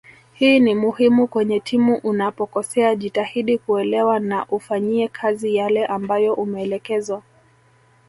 Hii ni muhimu kwenye timu unapokosea jitahidi kuelewa na uyafanyie kazi yale ambayo umeelekezwa